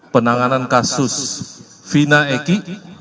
penanganan kasus vina eki